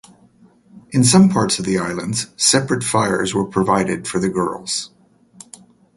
In some parts of the islands, separate fires were provided for the girls.